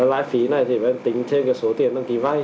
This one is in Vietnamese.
lãi phí này thì phải tính thêm số tiền đăng ký vay